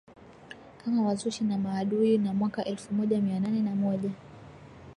kama wazushi na maadui na mwaka elfu moja Mia nane na moja